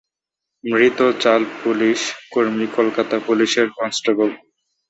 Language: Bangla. মৃত চার পুলিশ কর্মী কলকাতা পুলিশের কনস্টেবল।